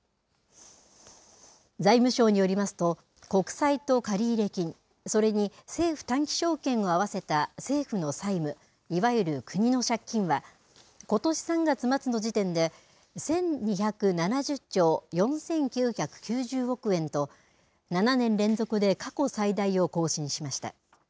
財務省によりますと、国債と借入金、それに政府短期証券を合わせた政府の債務、いわゆる国の借金は、ことし３月末の時点で１２７０兆４９９０億円と、７年連続で過去最大を更新しました。